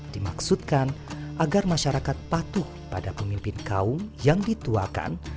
dimaksudkan agar masyarakat patuh pada pemimpin kaum yang dituakan